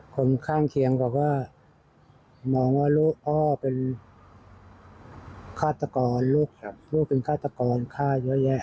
คนข้างเคียงบอกว่า